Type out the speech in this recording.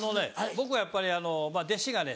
僕はやっぱり弟子がね